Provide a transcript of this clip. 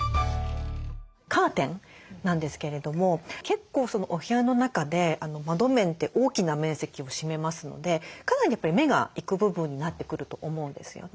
カーテンなんですけれども結構お部屋の中で窓面って大きな面積を占めますのでかなり目がいく部分になってくると思うんですよね。